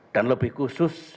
dan lebih khusus